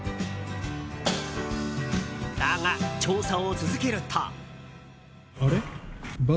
だが、調査を続けると。